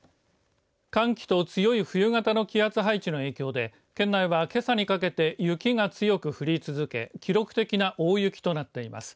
寒気と強い冬型の気圧配置の影響で県内はけさにかけて雪が強く降り続け記録的な大雪となっています。